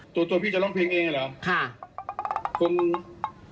ตัวพี่จะร้องเพลงเองหรือหรือค่ะคุณ